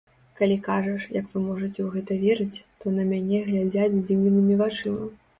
Калі кажаш, як вы можаце ў гэта верыць, то на мяне глядзяць здзіўленымі вачыма.